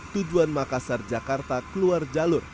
tujuan makassar jakarta keluar jalur